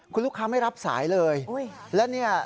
คุณลูกค้าไม่รับสายเลย